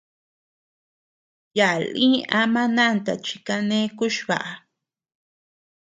Yaa lï ama nanta chi kane kuchba.